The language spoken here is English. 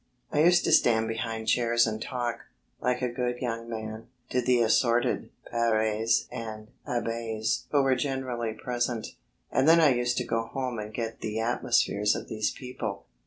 I used to stand behind chairs and talk, like a good young man, to the assorted Pères and Abbés who were generally present. And then I used to go home and get the atmospheres of these people.